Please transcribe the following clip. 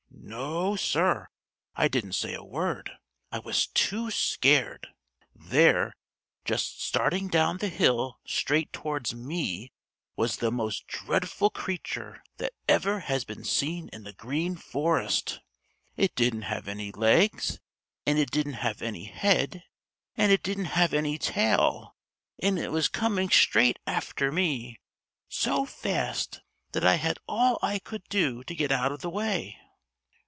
No, Sir, I didn't say a word. I was too scared. There, just starting down the hill straight towards me, was the most dreadful creature that ever has been seen in the Green Forest! It didn't have any legs, and it didn't have any head, and it didn't have any tail, and it was coming straight after me so fast that I had all I could do to get out of the way!"